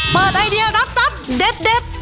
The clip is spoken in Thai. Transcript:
ไอเดียรับทรัพย์เด็ด